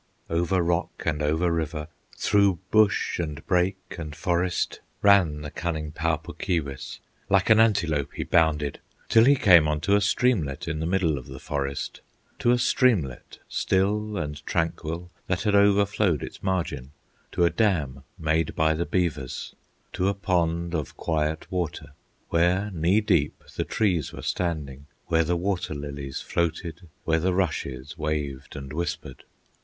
Over rock and over river, Through bush, and brake, and forest, Ran the cunning Pau Puk Keewis; Like an antelope he bounded, Till he came unto a streamlet In the middle of the forest, To a streamlet still and tranquil, That had overflowed its margin, To a dam made by the beavers, To a pond of quiet water, Where knee deep the trees were standing, Where the water lilies floated, Where the rushes waved and whispered.